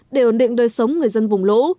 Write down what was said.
để ổn định đời sống người dân vùng lũ